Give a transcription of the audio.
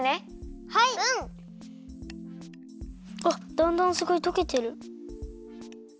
わっだんだんすごいとけてる。